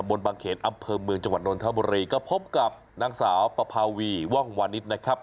บนบางเขนอำเภอเมืองจังหวัดนทบุรีก็พบกับนางสาวปภาวีว่องวานิสนะครับ